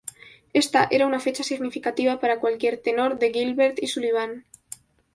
Esta era una fecha significativa para cualquier tenor de Gilbert y Sullivan.